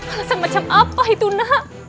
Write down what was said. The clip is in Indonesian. alasan macam apa itu nak